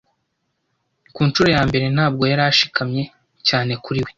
Ku nshuro ya mbere, ntabwo yari ashikamye cyane kuri we.